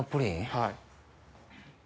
はい。